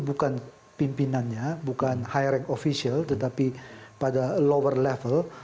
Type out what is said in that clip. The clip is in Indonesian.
bukan pimpinannya bukan high ring official tetapi pada lower level